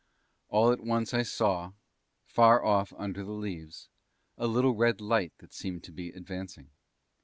All at once I saw, far off under the leaves, a little red light that seemed to be advancing.